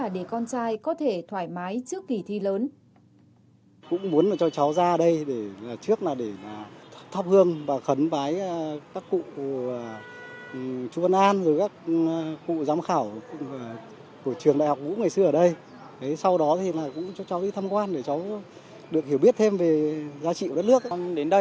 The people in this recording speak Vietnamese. với mong may mắn nhưng cũng là để con trai có thể thoải mái trước kỳ thi lớn